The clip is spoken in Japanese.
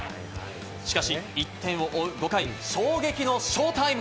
しかし、１点を追う５回、衝撃のショータイム！